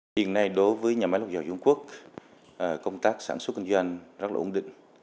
hiện nay đối với nhà máy lọc dầu dung quốc công tác sản xuất kinh doanh rất là ổn định